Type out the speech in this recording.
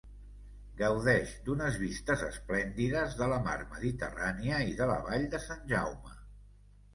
Gaudeix d'unes vistes esplèndides de la Mar Mediterrània i de la Vall de Sant Jaume.